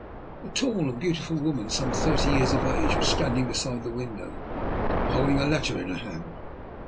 A tall and beautiful woman, some thirty years of age, was standing beside the window holding a letter in her hand.